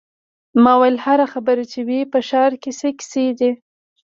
ما وویل: هر خبر چې وي، په ښار کې څه کیسې دي.